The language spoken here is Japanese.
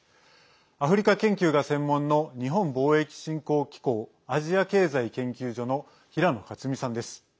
アフリカ研究が専門の日本貿易振興機構アジア経済研究所の平野克己さんです。